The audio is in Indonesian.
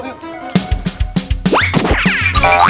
ustadz kenapa pak